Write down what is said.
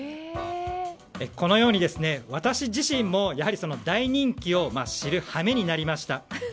このように私自身も大人気を知るはめになりました。